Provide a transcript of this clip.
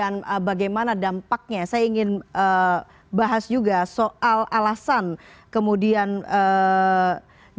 baik bagaimana dampaknya ya saya ingin bahas juga soal alasan kemudian dibuat ini